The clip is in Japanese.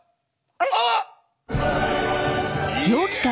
あっ！